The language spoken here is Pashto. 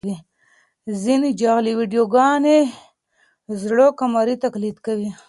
ځینې جعلي ویډیوګانې زړو کمرې تقلید کوي.